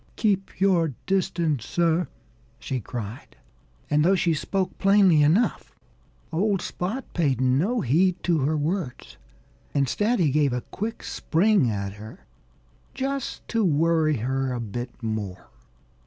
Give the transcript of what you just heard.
"Keep your distance, sir!" she cried. And though she spoke plainly enough, old Spot paid no heed to her words. Instead, he gave a quick spring at her, just to worry her a bit more.